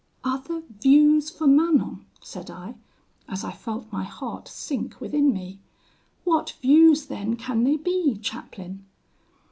"'Other views for Manon!' said I, as I felt my heart sink within me; 'what views then can they be, chaplain?'